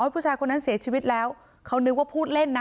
ผู้ชายคนนั้นเสียชีวิตแล้วเขานึกว่าพูดเล่นนะ